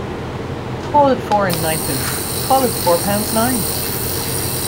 Call it four and ninepence — call it four pounds nine.